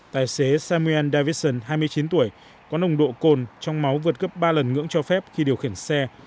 tài xế samuel davison hai mươi chín tuổi có nồng độ cồn trong máu vượt gấp ba lần ngưỡng cho phép khi điều khiển xe